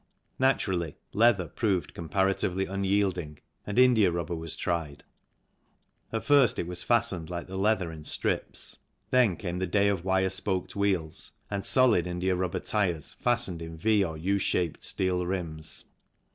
Naturally, leather proved comparatively un yielding and india rubber was tried. At first it was fastened like the leather in strips, then came the day of wire spoked wheels and solid india rubber tyres fastened in V or U shaped steel rims.